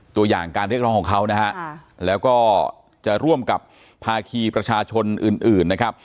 ตัวอย่างการเรียกร้องของเขานะฮะแล้วก็จะร่วมกับภาคีประชาชนอื่นนะครับ